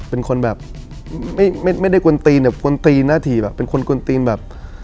เป็นคนแบบไม่ได้กวนตีนแบบกวนตีนหน้าถีบอ่ะเป็นคนกวนตีนแบบ